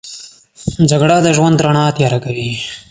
جګړه د ژوند رڼا تیاره کوي